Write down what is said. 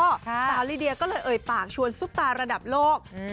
สาวลิเดียก็เลยเอ่ยปากชวนซุปตาระดับโลก